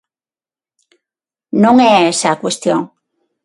Non é esa a cuestión.